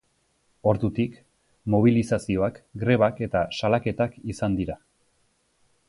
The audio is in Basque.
Ordutik, mobilizazioak, grebak eta salaketak izan dira.